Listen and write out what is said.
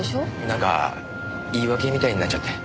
なんか言い訳みたいになっちゃって。